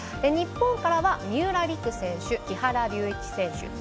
日本からは三浦璃来選手、木原龍一選手。